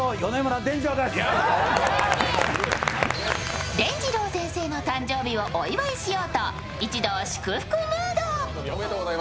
でんじろう先生の誕生日をお祝いしようと一同、祝福ムード。